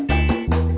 ya ini lagi